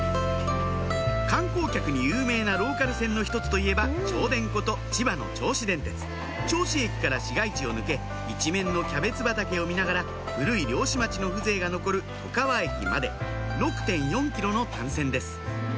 観光客に有名なローカル線の一つといえば銚電こと千葉の銚子電鉄銚子駅から市街地を抜け一面のキャベツ畑を見ながら古い漁師町の風情が残る外川駅まで６．４ｋｍの単線です